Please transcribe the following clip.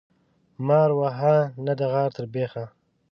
مار وهه ، نه د غار تر بيخه.